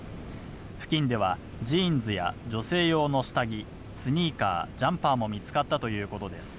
付近では、ジーンズや女性用の下着、スニーカー、ジャンパーも見つかったということです。